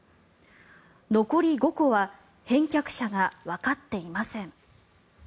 残り５個は返却者がわかっていません。